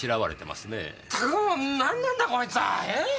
ったく何なんだこいつは！ええ！？